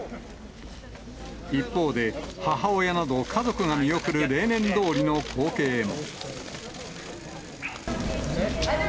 一方で、母親など、家族が見送る例年どおりの光景も。